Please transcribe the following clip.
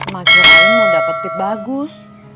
mak jualan mau dapet tip bagus